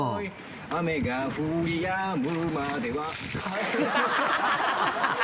「雨が降り止むまでは」